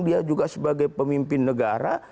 dia juga sebagai pemimpin negara